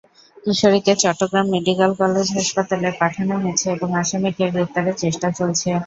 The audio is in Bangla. কিশোরীকে চট্টগ্রাম মেডিকেল কলেজ হাসপাতালে পাঠানো হয়েছে এবং আসামিকে গ্রেপ্তারের চেষ্টা চলছে।